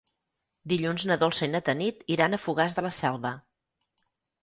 Dilluns na Dolça i na Tanit iran a Fogars de la Selva.